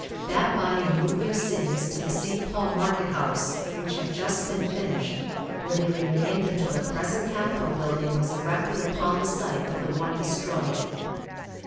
That body moved their sittings to the St. Paul market house, which had just been finished, where they remained until the present capitol building was erected upon the site of the one destroyed.